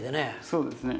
そうですね。